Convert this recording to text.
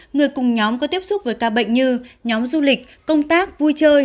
người cùng nhóm có tiếp xúc với ca bệnh như nhóm du lịch công tác vui chơi